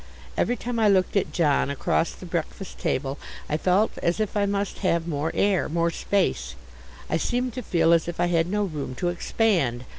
Every time I looked at John across the breakfast table, I felt as if I must have more air, more space. I seemed to feel as if I had no room to expand.